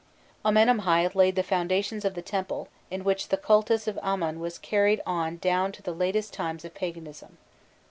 Amenemhâît laid the foundations of the temple, in which the cultus of Amon was carried on down to the latest times of paganism.